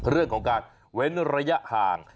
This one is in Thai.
เรื่องของการเว้นระยะห่าง